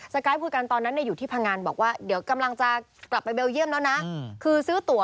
ไกด์คุยกันตอนนั้นอยู่ที่พังงานบอกว่าเดี๋ยวกำลังจะกลับไปเบลเยี่ยมแล้วนะคือซื้อตัว